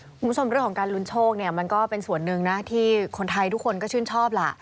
คุณผู้ชมเรื่องของการลุ้นโชคเนี่ยมันก็เป็นส่วนหนึ่งนะที่คนไทยทุกคนก็ชื่นชอบล่ะ